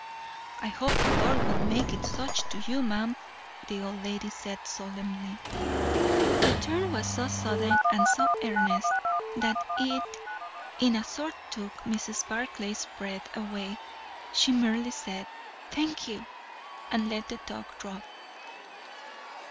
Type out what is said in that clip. "I hope the Lord will make it such to you, ma'am," the old lady said solemnly. The turn was so sudden and so earnest, that it in a sort took Mrs. Barclay's breath away. She merely said, "Thank you!" and let the talk drop.